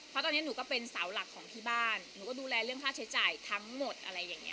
เพราะตอนนี้หนูก็เป็นเสาหลักของที่บ้านหนูก็ดูแลเรื่องค่าใช้จ่ายทั้งหมดอะไรอย่างนี้